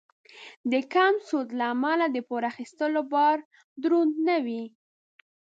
د کم سود له امله د پور اخیستلو بار دروند نه وي.